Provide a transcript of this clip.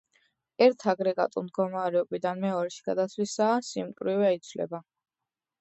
ერთ აგრეგატულ მდგომარეობიდან მეორეში გადასვლისაა სიმკრივე იცვლება